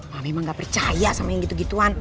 mami emang gak percaya sama yang gitu gituan